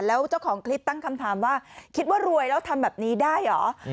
แล้วเจ้าของคลิปตั้งคำถามว่าคิดว่ารวยแล้วทำแบบนี้ได้เหรอ